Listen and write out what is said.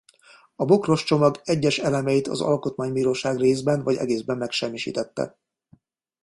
A Bokros-csomag egyes elemeit az Alkotmánybíróság részben vagy egészben megsemmisítette.